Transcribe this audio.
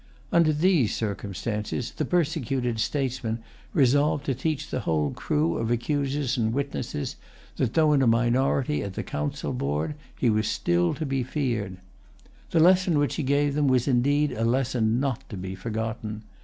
Under these circumstances, the persecuted statesman resolved to teach the whole crew of accusers and witnesses that, though in a minority at the council board, he was still to be feared. The lesson which he gave them was indeed a lesson not to be forgotten.